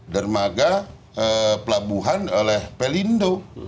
dermaga pelabuhan oleh pelindo